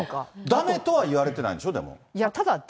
だめとは言われてないんでしょ、でも。